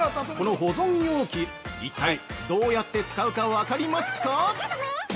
この保存容器、一体、どうやって使うか分かりますか？